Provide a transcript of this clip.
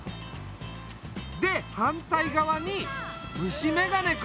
で反対側に虫眼鏡か。